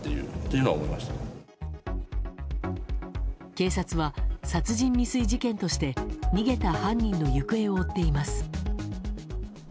警察は殺人未遂事件として逃げた犯人の行方を追っています。